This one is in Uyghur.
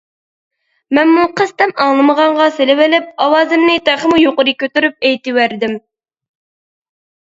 مەنمۇ قەستەن ئاڭلىمىغانغا سېلىۋېلىپ ئاۋازىمنى تېخىمۇ يۇقىرى كۆتۈرۈپ ئېيتىۋەردىم.